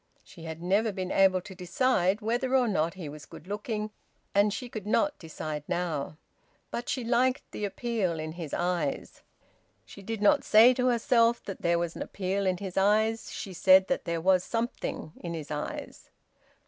She had never been able to decide whether or not he was good looking, and she could not decide now. But she liked the appeal in his eyes. She did not say to herself that there was an appeal in his eyes; she said that there was `something in his eyes.'